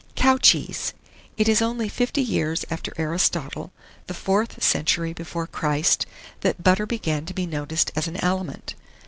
"COW CHEESE." It was only fifty years after Aristotle the fourth century before Christ that butter began to be noticed as an aliment.